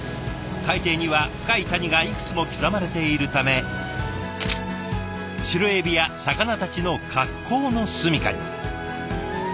海底には深い谷がいくつも刻まれているためシロエビや魚たちの格好の住みかに。